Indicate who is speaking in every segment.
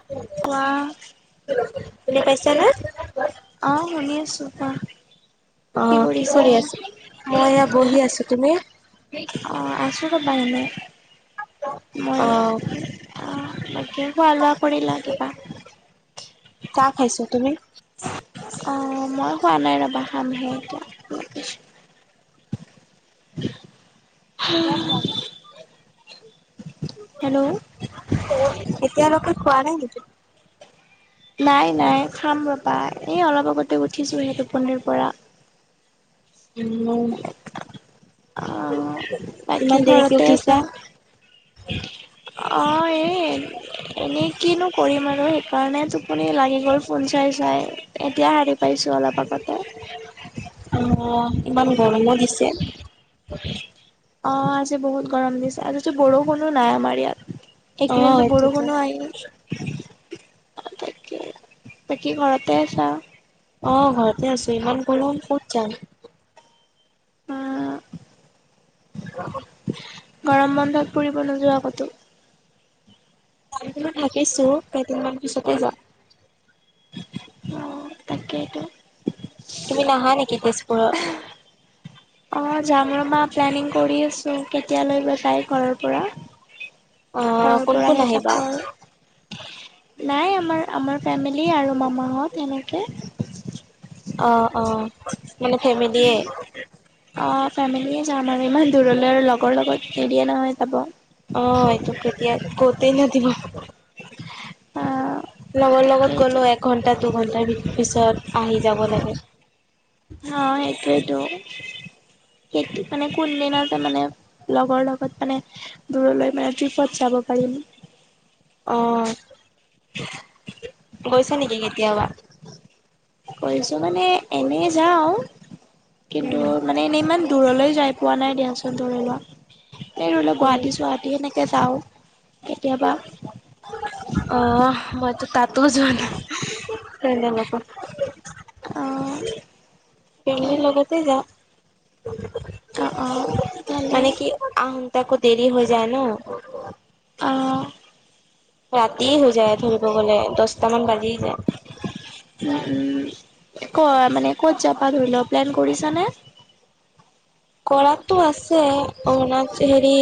Speaker 1: [inaudible]
Speaker 2: কোৱা?
Speaker 1: শুনি পাইচেনে?
Speaker 2: অ', শুনি আছো কোৱা?
Speaker 1: অ', কি কৰি আছ, মই এয়া বহি আছো তুমি?
Speaker 2: আ, আছো ৰ'বা এনে, মই অ'। আ, বাকী খোৱা লোৱা কৰিলা কিবা?
Speaker 1: চা খাইছোঁ, তুমি?
Speaker 2: অ', মই খোৱা নাই ৰবা খামহে এতিয়া, [inaudible]
Speaker 1: এতিয়াও খোৱা নাই?
Speaker 2: হেলো?
Speaker 1: এতিয়ালৈকে খোৱা নাই নিকি?
Speaker 2: নাই নাই খাম ৰবা, এই অলপ আগতে উঠিছোহে টোপনিৰ পৰা।
Speaker 1: [unintelligible]
Speaker 2: আ, বাকী
Speaker 1: ইমান দেৰিকে
Speaker 2: ঘৰতে
Speaker 1: উঠিছা?
Speaker 2: আছা? অ', এ, এনেই কিনো কৰিম আৰু সেইকাৰণে টোপ টোপনি লাগি গ'ল ফোন চাই চাই, এতিয়া শাৰী পাইছোঁ অলপ আগতে।
Speaker 1: অ', ইমান গৰমো দিছে।
Speaker 2: অ', আজি বহুত গৰম দিছে, আজিটো বৰষুণো নাই আমাৰ ইয়াত।
Speaker 1: অ'
Speaker 2: একেইদিনটো
Speaker 1: এইটোতো।
Speaker 2: বৰষুণনো [unintelligible] বাকী ঘৰতে আছা?
Speaker 1: অ', ঘৰতে আছো, ইমান গৰম ক'ত যাম।
Speaker 2: আ।
Speaker 1: [inaudible]
Speaker 2: গৰম বন্ধত ফুৰিব নোযোৱা কতো?
Speaker 1: যাম বুলি ভাবিছোঁ, কেইদিনমান পিছতে যাম।
Speaker 2: অ', তাকেটো।
Speaker 1: তুমি নাহা নেকি তেজপুৰত?
Speaker 2: অ', যাম ৰবা প্লেনিং কৰি আছো, কেতিয়ালৈ বা যাই ঘৰৰ পৰা।
Speaker 1: অ'
Speaker 2: ঘৰৰ
Speaker 1: কোন কোন
Speaker 2: পৰাহে যাব
Speaker 1: আহিবা?
Speaker 2: আৰু। নাই আমাৰ, আমাৰ ফেমিলি আৰু মামাহত সেনেকে।
Speaker 1: অ', অ', মানে ফেমেলিয়ে।
Speaker 2: অ', ফেমিলিয়ে যাম আৰু ইমান দূৰলৈ আৰু লগৰ লগত নিদিয়ে নহয় যাব।
Speaker 1: অ', এইটো কেতিয়া কতেনো দিব। লগৰ লগত
Speaker 2: তাকেইতো
Speaker 1: গ'লেও একঘণ্টা, দুঘণ্টাৰ পিছত আহি যাব লাগে।
Speaker 2: হ, সেইটোৱেতো। সেইত মানে কোনদিনাতে মানে লগৰ লগত মানে দূৰলৈ মানে ট্ৰিপত যাব পাৰিম।
Speaker 1: অ'।
Speaker 2: [inaudible]
Speaker 1: গৈছা নেকি কেতিয়াবা?
Speaker 2: গৈছো মানে এনে যাওঁ, কিন্তু মানে নে ইমান দূৰলৈ যাই পোৱা নাই দিয়াচোন ধৰি লোৱা, এই ধৰিলোৱা গুৱাহাটী চুৱাহাটী সেনেক এ চাওঁ কেতিয়াবা।
Speaker 1: অহ মইতো তাতো যোৱা নাই। [unintelligible]
Speaker 2: অঁ
Speaker 1: ফেমেলিৰ লগতে যাম।
Speaker 2: অ অ ভালেই।
Speaker 1: আহোতে আকৌ দেৰি হৈ যায় ন।
Speaker 2: অ।
Speaker 1: ৰাতিয়ে হৈ যায় ফুৰিব গ'লে দহটামান বাজি যায়।
Speaker 2: উম উম ক মানে ক'ত যাবা ধৰি লও প্লেন কৰিছানে।
Speaker 1: কৰাটো আছে অনা হেৰি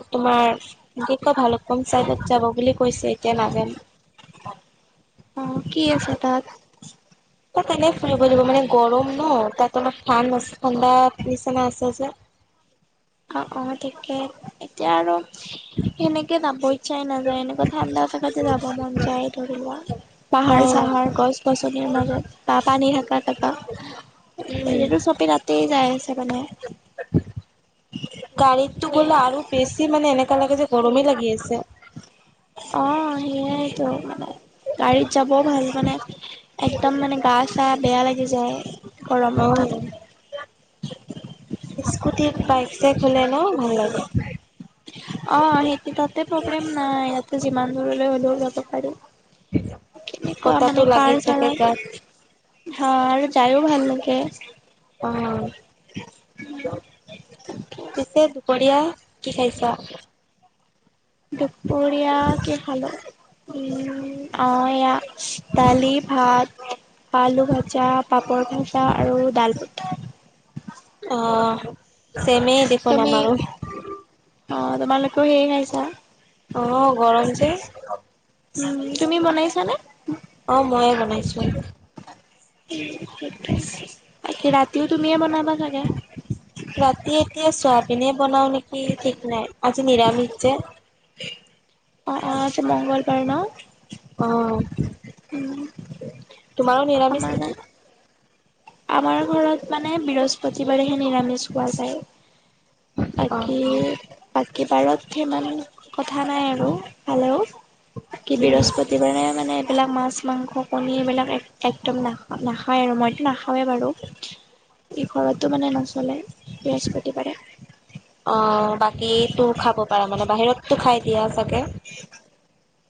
Speaker 1: তোমাৰ এক [unintelligible] কয় ভাল কম চাইডত যাব বুলি কৈছে এতিয়া নাজানো
Speaker 2: অ কি আছে তাত
Speaker 1: তাত তেনে ফুৰিব যাব মানে গৰম ন তাত অলপ ঠান আছে ঠাণ্ডা নিচিনা আছে যে।
Speaker 2: অ অ ঠিকে এতিয়া আৰু। সেনেকে যাব ইচ্ছাই নাযায় এনেকুৱা ঠাণ্ডা থাকাতে যাব মন যায় ধৰি লোৱা
Speaker 1: অ',
Speaker 2: পাহাৰ- চাহাৰ গছ-গছনিৰ মাজত বা পানী থকা জেগা।
Speaker 1: উম,
Speaker 2: এনেতো চবেই তাতেই যাই আছে মানে।
Speaker 1: গাড়ীতো গ'লে আৰু বেছি মানে এনেকা লাগে যে গৰমেই লাগি আছে।
Speaker 2: অ সেইয়াইটো মানে গাড়ীত যাবও ভাল মানে। একদম মানে গা চা বেয়া লাগি যায়, গৰমত
Speaker 1: অ',
Speaker 2: থাকিব।
Speaker 1: স্কুটিত বাইক- চাইক হলে ন, ভাল লাগে।
Speaker 2: অ সেই তাতে প্ৰব্লেম নাই ইয়াতে যিমান দূৰলৈ হলেও যাব পাৰি। কেনেকুৱা
Speaker 1: বতাহটো
Speaker 2: মানে
Speaker 1: লাগি
Speaker 2: কাৰ
Speaker 1: থাকে
Speaker 2: -চাৰ
Speaker 1: গাত।
Speaker 2: অহ আৰু যায়ো ভাল লাগে।
Speaker 1: অ পিছে দুপৰীয়া কি খাইছা?
Speaker 2: দুপৰীয়া কি খালোঁ উম অ এয়া দালি ভাত, পালু ভাজা, পাপৰ ভাজা আৰু দাল ভাত।
Speaker 1: অ চেমেই দেখোন
Speaker 2: তুমি
Speaker 1: আমাৰো।
Speaker 2: অ তোমালোকো সেই খাইছা।
Speaker 1: অ গৰম যে।
Speaker 2: তুমি বনাইছা নে।
Speaker 1: অ মইয়ে বনাইছোঁ আৰু।
Speaker 2: উম
Speaker 1: উ [unintelligible]
Speaker 2: আজি ৰাতিও তুমিয়ে বনাবা চাগে।
Speaker 1: ৰাতি এতিয়া চোৱাবিনে বনাও নেকি ঠিক নাই আজি নিৰামিষ যে।
Speaker 2: অ অ আজি মংগলবাৰ ন।
Speaker 1: অ
Speaker 2: উম!
Speaker 1: তোমাৰো নিৰামিছ
Speaker 2: আমাৰ নাই।
Speaker 1: নেকি?
Speaker 2: আমাৰ ঘৰত মানে বৃহস্পতিবাৰেহে নিৰামিষ খোৱা যায়। বাকী
Speaker 1: অ',
Speaker 2: বাকী বাৰত সিমান কথা কথা নাই আৰু ভালেও বাকি
Speaker 1: উম।
Speaker 2: বৃহস্পতি যে মানে এইবিলাক মাছ, মাংস, কণী এইবিলাক এক একদম নাখা নাখায় আৰু মইতো নাখাওঁ। হয় বাৰু। ই ঘৰতো মানে নচলে বৃহস্পতিবাৰে।
Speaker 1: অঁ! বাকীটো খাব পাৰা মানে বাহিৰতো খাই দিয়া চাগে?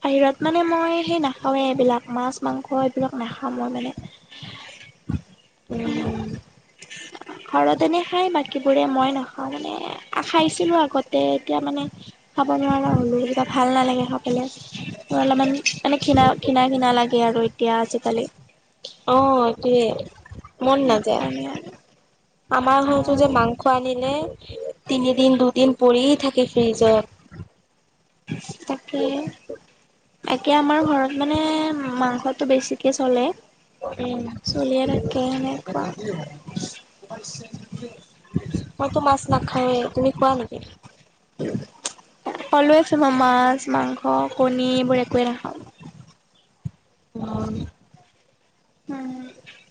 Speaker 2: বাহিৰত মানে মই সেই নাখাওঁৱেই এইবিলাক মাছ, মাংস এইবিলাক নাখাওঁ মই মানে।
Speaker 1: উম।
Speaker 2: ঘৰত এনেই খায় বাকীবোৰে মই নাখাওঁ মানে। খাইছিলোঁ আগতে এতিয়া মানে খাব নোৱাৰা হ'লো। কিবা ভাল নালাগে খাবলে। মোৰ অলপমান মানে ঘৃণা-ঘৃণা-ঘৃণা লাগে আৰু এতিয়া আজিকালি।
Speaker 1: অঁ! এইটোৱেই, মন
Speaker 2: সেইকাৰণে আৰু
Speaker 1: নাযায়। আমাৰ
Speaker 2: অ
Speaker 1: ঘৰতো যে মাংস আনিলে তিনিদিন, দুদিন পৰি থাকে ফ্ৰিজত।
Speaker 2: তাকে। বাকী আমাৰ ঘৰত মানে মাংসটো বেছিকে চলে।
Speaker 1: উম।
Speaker 2: চলিয়ে থাকে এনেকুৱা।
Speaker 1: মইতো মাছ নাখাওঁৱে। তুমি খোৱা নেকি?
Speaker 2: কলোৱে চোন মই মাছ, মাংস, কণী এইবোৰ একোৱেই নাখাওঁ।
Speaker 1: উম।
Speaker 2: উম।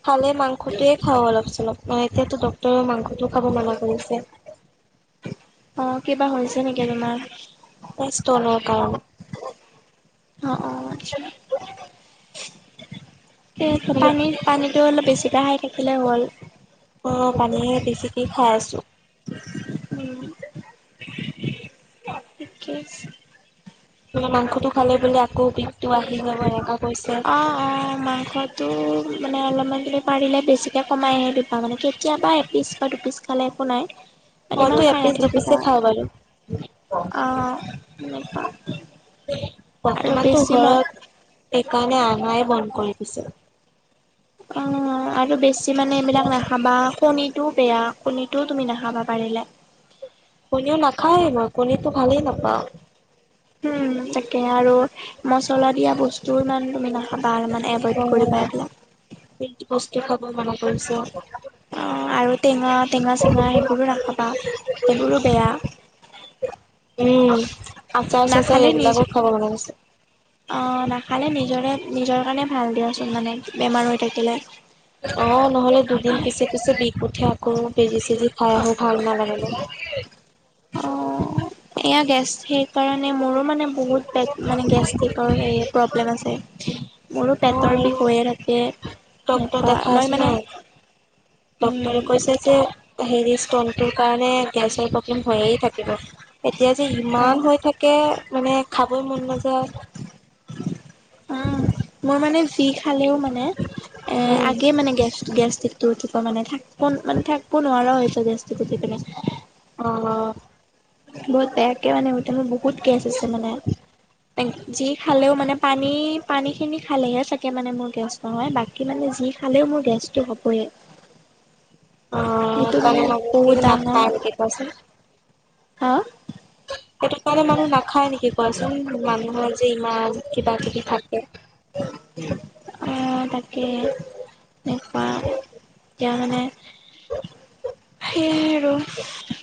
Speaker 1: খালে মাংসটোৱেই খাওঁ অলপ-চলপ। মানে এতিয়াতো ডক্তৰেও মাংসটোও খাব মানা কৰিছে।
Speaker 2: অঁ! কিবা হৈছে নেকি তোমাৰ?
Speaker 1: এই ইষ্টনৰ কাৰণে।
Speaker 2: অঁ-অঁ! আচ্ছা। সেই
Speaker 1: মানে
Speaker 2: পানী পানীটো অলপ বেছিকৈ খাই থাকিলে হ'ল।
Speaker 1: অঁ! পানীয়ে বেছিকেই খাই আছোঁ।
Speaker 2: উম ঠিকে [unintelligible]
Speaker 1: তোমাৰ মাংসটো খালে বোলে আকৌ বিষটো আহি যাব এনেকা কৈছে।
Speaker 2: অ অ মাংসটো মানে অলপমান তুমি পাৰিলে বেছিকৈ কমাইহে দিবা মানে। কেতিয়াবা এপিচ বা দুপিচ খালে একো নাই। ইমান
Speaker 1: মইতো
Speaker 2: খাই
Speaker 1: এপিচ, দুপিচে খাওঁ বাৰু।
Speaker 2: অঁ! এনেকুৱা। আৰু
Speaker 1: বৰ্তমানতো
Speaker 2: বেছি
Speaker 1: ঘৰত
Speaker 2: মই
Speaker 1: সেইকাৰণে আনাই বন্ধ কৰি দিছে।
Speaker 2: অঁ! আৰু বেছি মানে এইবিলাক নাখাবা। কণীটোও বেয়া কণীটোও তুমি নাখাবা পাৰিলে।
Speaker 1: কণীও নাখাওঁৱেই মই কণীতো ভালেই নাপাওঁ।
Speaker 2: উম! তাকে আৰু মচলা দিয়া বস্তু জোৰ মানে তুমি নাখাবা অলপমান এভইড কৰিব এইবিলাক।
Speaker 1: যিটি বস্তু খাব মানা কৰিছে।
Speaker 2: আৰু টেঙা টেঙা-চেঙা সেইবোৰো নাখাবা সেইবোৰো বেয়া।
Speaker 1: উম। আচাৰ চাচাৰ
Speaker 2: নাখালে
Speaker 1: এইবিলাকো
Speaker 2: নিজৰ
Speaker 1: খাব মনা কৰিছে।
Speaker 2: অঁ নাখালে নিজৰে নিজৰ কাৰণে ভাল দিয়া চোন মানে বেমাৰ হৈ থাকিলে।
Speaker 1: অঁ! নহ'লে দুদিন পিছে-পিছে বিষ উঠে আকৌ। বেজি-চেজি খাই আহোঁ ভাল নালাগে ন।
Speaker 2: অ'। এয়া গেছ সেই কাৰণে মোৰো মানে বহুত পেট মানে গেষ্টিকৰ হেৰি প্ৰব্লেম আছে। মোৰো
Speaker 1: অ
Speaker 2: পেটৰ
Speaker 1: আৰু
Speaker 2: বিষ হৈয়েই থাকে।
Speaker 1: ডক্তৰ
Speaker 2: এনেকুৱা
Speaker 1: দেখাই
Speaker 2: মই
Speaker 1: আছো ন।
Speaker 2: মানে
Speaker 1: ডক্তৰে
Speaker 2: উম,
Speaker 1: কৈছে যে হেৰি ষ্টনটোৰ কাৰণে গেছৰ প্ৰব্লেম হৈয়েই থাকিব এতিয়া যে
Speaker 2: অ',
Speaker 1: ইমান হৈ থাকে কে মানে খাবই মন নাযায়
Speaker 2: অ মই মানে যি খালেও মানে এ
Speaker 1: উম
Speaker 2: আগেই মানে গেছ গেছ উঠি পিনে মানে থাকব মানে থাকিব নোৱাৰা হৈ যাওঁ গেষ্টিক উঠি পিনে
Speaker 1: অহ
Speaker 2: বহুত বেয়াকে মানে উঠে মোৰ বহুত গেছ আছে মানে যি খালেও মানে পানী পানী খিনি খালেহে চাগে মানে মোৰ গেছ নহয় বাকী মানে যি খালেও মোৰ গেছটো হ'বই
Speaker 1: অ
Speaker 2: মানে
Speaker 1: সেইকাৰণে মই
Speaker 2: বহুত
Speaker 1: বহুখিনি নাখাওঁ
Speaker 2: ডাঙৰ
Speaker 1: এনেকে কোৱাচোন
Speaker 2: হা
Speaker 1: সেইটো কাৰণে মানুহ নাখায় নেকি কোৱাচোন মানুহৰ যে ইমান কিবা কিবি থাকে
Speaker 2: উম অ তাকে এনেকুৱা এতিয়া মানে সেয়াই আৰু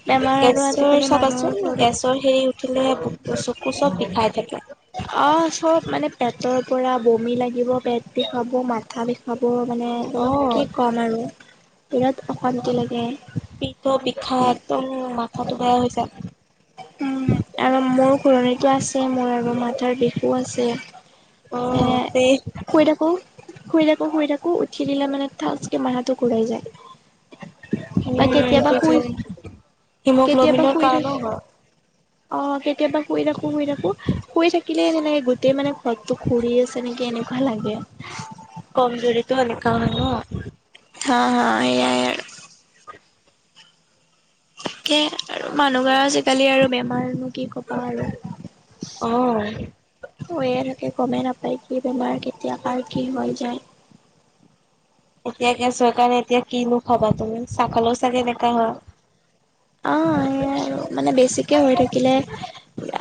Speaker 2: বেমাৰ আৰু
Speaker 1: গেছৰ
Speaker 2: আজিকালি
Speaker 1: চাবাচোন
Speaker 2: মানুহৰ
Speaker 1: গেছ হেৰি উঠিলে চকু চব বিষাই থাকে
Speaker 2: অ চব মানে পেটৰ পৰা বমি লাগিব পেট বিষাব মাথা বিষ বিষাব মানে তোমাক কি
Speaker 1: অ',
Speaker 2: ক'ম আৰু বিৰাট অশান্তি লাগে
Speaker 1: পেটো বিষাই একদম মাথাটো বেয়া হৈ যায়
Speaker 2: মূৰ ঘুৰণীতো আছে মোৰ আৰু মাথাৰ বিষু আছে এ
Speaker 1: অ', তে
Speaker 2: শুই থাকো শুই থাকো শুই থাকো উঠি দিলে মানে থাচকে মাথাটো ঘূৰাই যায় বা কেতিয়াবা শুই
Speaker 1: উম,
Speaker 2: কেতিয়াবা
Speaker 1: হিমোগ্ল'বিনৰ
Speaker 2: শুই থাকি
Speaker 1: কাৰণেও হয়।
Speaker 2: অ কেতিয়াবা শুই থাকো শুই থাকো শুই থাকি থাকিলে তেনেকে গোটেই মানে ঘৰটো ঘূৰি আছে নেকি এনেকুৱা লাগে
Speaker 1: কমজোৰিটো এনেকা হয় ন
Speaker 2: হা হা এয়াই
Speaker 1: [unintelligible]
Speaker 2: তাকে আৰু মানুহবোৰৰ আজিকালি আৰু বেমাৰ কি ক'বা আৰু
Speaker 1: অ'।
Speaker 2: হৈয়ে থাকে গমেই নাপায় কি বেমাৰ কেতিয়া কাৰ কি হৈ যায়
Speaker 1: এতিয়া গেছৰ কাৰণে এতিয়া কি নো খাবা তুমি চাহ খালেও চাগে এনেকা হয়
Speaker 2: অ এয়াই আৰু মানে বেছিকে হৈ থাকিলে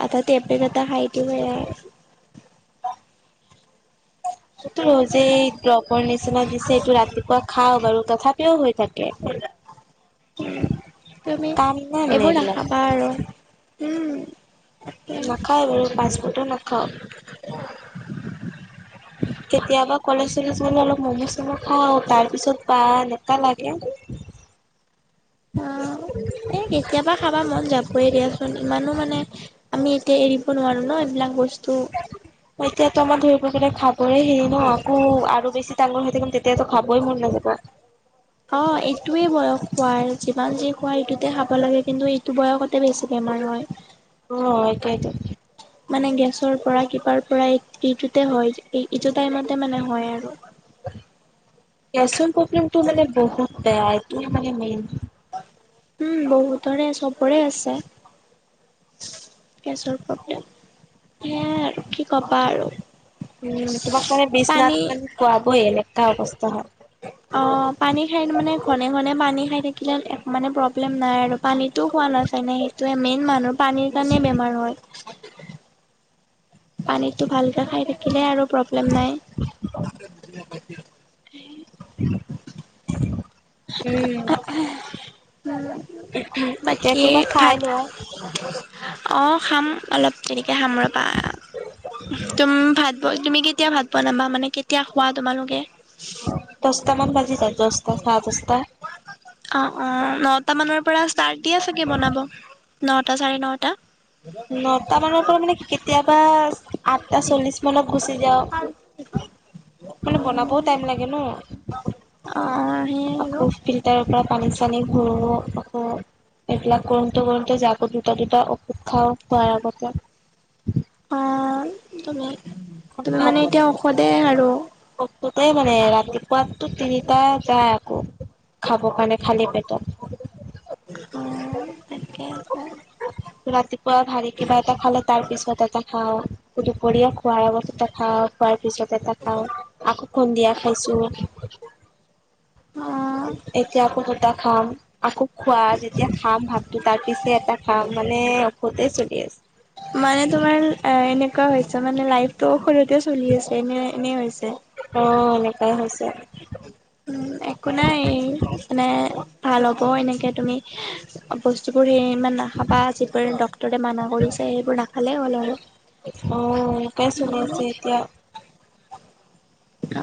Speaker 2: আধাতে এপেক এটা খাই [unintelligible]
Speaker 1: এইতো যে দ্ৰপৰ নিচিনা দিছে এইটো ৰাতিপুৱা খাও বাৰু তথাপি তথাপিও হৈ থাকে
Speaker 2: তুমি
Speaker 1: কাম নাই মানে
Speaker 2: এইবোৰ
Speaker 1: এইবিলাক
Speaker 2: নাখাবা আৰু উম তাকে
Speaker 1: নাখাই বাৰু ফাৰ্ষ্ট ফুডো নাখাঁও কেতিয়াবা কলেজ চলেজ গলছ অলপ ম'ম চম' খাওঁ তাৰ পিছত তাই তা লাগে
Speaker 2: অ এই কেতিয়াবা বা খাবা মন যাবই দিয়াচোন ইমানো মানে আমি এতিয়া এৰিব নোৱাৰোঁ ন এইবিলাক বস্তু
Speaker 1: এতিয়াতো আমাৰ ধৰিব গলে খাবৰে হেৰি ন আকৌ আৰু বেছি [inaudible] তেতিয়াতো খাবই মন, নাযাবা।
Speaker 2: অ, এইটোৱে বয়স খোৱাৰ, যিমান যি খোৱা এইটোতে খাব লাগে, কিন্তু এইটো বয়সতে বেছি বেমাৰ হয়।
Speaker 1: অ, একেইটো।
Speaker 2: মানে গেছৰ পৰা, কিবাৰ পৰা, ইটোতে হয়। এইতো টাইমতে মানে হয়, আৰু।
Speaker 1: গেছৰ, প্ৰব্লেমটো, মানে বহুত বেয়াটো, মানে মেইন।
Speaker 2: উম, বহুতৰে চবৰে, আছে। গেছৰ প্ৰব্লেম, সেয়াই আৰু কি ক'বা আৰু।
Speaker 1: উম, তোমাক মানে বিশ্বনাথ
Speaker 2: পানী
Speaker 1: মানে, খোৱ বহি, এলেকা অৱস্থা হয়।
Speaker 2: অ, পানী খাই মানে ঘনে, ঘনে, পানী খাই থাকিলে, মানে প্ৰব্লেম নাই আৰু পানীত টো, খোৱা নাযায় নে, সেইটোয়ে মেইন মানুহ, পানীৰ কাৰণে বেমাৰ হয়। পানীতটো ভালকে খাই থাকিলে আৰু প্ৰব্লেম নাই।
Speaker 1: [unintelligible] উম,
Speaker 2: [inaudible]
Speaker 1: এতিয়া,
Speaker 2: বাকী
Speaker 1: কিবা খাই
Speaker 2: ভাত
Speaker 1: লোৱা।
Speaker 2: অ, খাম অলপ দেৰিকে খাম ৰবা, তুম ভাত তুমি কেতিয়া ভাত বনাবা, মানে কেতিয়া খোৱা তোমালোকে।
Speaker 1: দশটা, মান ভাজি, দশটা চাৰে দশটা।
Speaker 2: অ, অ, নটা মানৰ পৰা, ষ্টাৰ্ট দিয়ে চাগে বনাব। নটা, চাৰে নটা।
Speaker 1: নটা মানৰ পৰা, মানে কেতিয়াবা আঠটা চল্লিছ মানত গুচি যাওঁ।
Speaker 2: [unintelligible]
Speaker 1: মানে বনাবও, টাইম লাগে ন।
Speaker 2: অ, সেই।
Speaker 1: আকৌ ফিল্টাৰৰ পৰা পানী- চানী ভৰোৱা, আকৌ। এইবিলাক কৰোতে, কৰোতে, যাব দুটা, দুটা ঔষধ খাওঁ, খোৱাৰ আগতে।
Speaker 2: অ, তুমি, তুমি মানে, এতিয়া ঔষধে আৰু।
Speaker 1: ঔষধে মানে, ৰাতিপুৱাতটো তিনিটা যায়, আকৌ। খাব কাৰণে, খালী পেটত।
Speaker 2: ঠিকে আছে
Speaker 1: ৰাতিপুৱা ভাৰী কিবা এটা খালে, তাৰ পিছত এটা খাওঁ, দুপৰীয়া খোৱাৰ আগত। এটা খাওঁ, খোৱাৰ পিছত এটা। খাওঁ। আকৌ সন্ধিয়া, খাইছো।
Speaker 2: অ
Speaker 1: এতিয়া আকৌ, দুটা খাম। আকৌ খোৱা যেতিয়া খাম, ভাতটো তাৰ পিছে এটা খাম, মানে ঔষধে চলি আছে।
Speaker 2: মানে তোমাৰ, এনেকুৱা হৈছে, মানে লাইফটো সৰুতে চলি আছে, এনে, এনে হৈছে।
Speaker 1: অ, এনেকুৱাই হৈছে।
Speaker 2: উম, একো নাই, মানে ভাল হ'ব, এনেকে তুমি। বস্তুবোৰ সেই ইমান নাখাবা, যিবোৰ ডক্তৰে মানা কৰিছে, সেইবোৰ নাখালেই হ'ল আৰু।
Speaker 1: অ, সেনেকাই চলি আছে এতিয়া।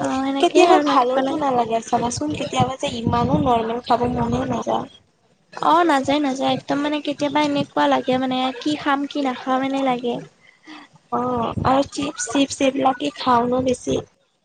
Speaker 2: অ সেনেকেই
Speaker 1: কেতিয়াবা,
Speaker 2: আৰু থাকিব
Speaker 1: ভালতো
Speaker 2: লাগে
Speaker 1: নেলাগে। চাবাচোন, কেতিয়াবা যে, ইমানো নৰমেল খাব মনেই নাযায়।
Speaker 2: অ, নাযায়, নাযায়, একদম মানে কেতিয়াবা এনেকুৱা লাগে, মানে কি খাম, কি নাখাম, এনে লাগে।
Speaker 1: অ, আৰু চিপছ-টিপছ এইবিলাকে খাওঁ ন, বেছি।